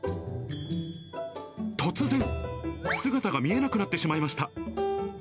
突然、姿が見えなくなってしまいました。